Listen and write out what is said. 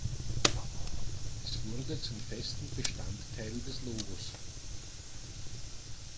Es wurde zum festen Bestandteil des Logos.